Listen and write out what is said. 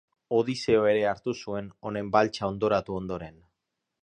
Odiseo ere hartu zuen, honen baltsa hondoratu ondoren.